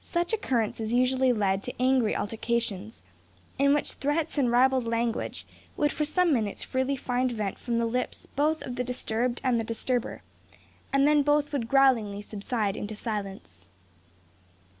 Such occurrences usually led to angry altercations, in which threats and ribald language would for some minutes freely find vent from the lips both of the disturbed and the disturber; and then both would growlingly subside into silence.